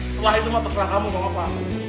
setelah itu mau terserah kamu mau apa